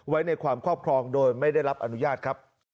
ไว้ในความครอบครองโดยไม่ได้รับอนุญาตครับ